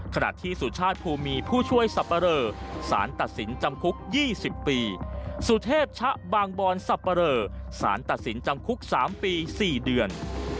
ขณะที่สุชาติภูมีผู้ช่วยสับปะเรอสารตัดสินจำคุก๒๐ปีสุเทพชะบางบอนสับปะเรอสารตัดสินจำคุก๓ปี๔เดือน